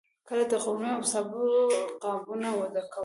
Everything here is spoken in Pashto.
کله د قورمې او سابو قابونه ډکول.